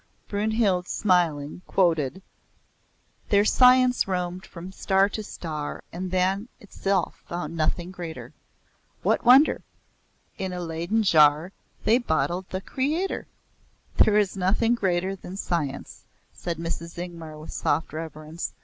Brynhild, smiling, quoted; "Their science roamed from star to star And than itself found nothing greater. What wonder? In a Leyden jar They bottled the Creator?" "There is nothing greater than science," said Mrs. Ingmar with soft reverence.